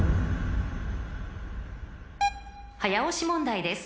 ［早押し問題です。